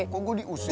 kok gue diusir sih